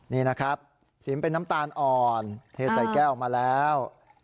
นี่นะครับสีมเป็นน้ำตาลอ่อนเทใส่แก้วออกมาแล้ว